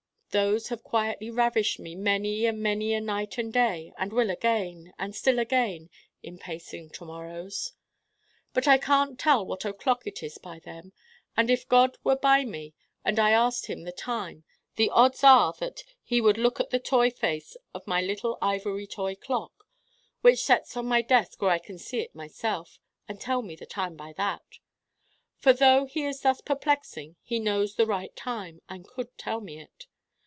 Those have quietly ravished me many and many a night and day and will again, and still again, in pacing To morrows. But I can't tell What O'Clock it is by them. And if God were by me and I asked him the time the odds are all that he would look at the toy face of my little ivory toy clock, which sets on my desk where I can see it myself, and tell me the time by that. But though he is thus perplexing he knows the right time and could tell me it.